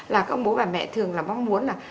là các bố bà mẹ thường là mong muốn là